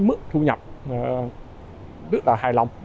với mức thu nhập rất là hài lòng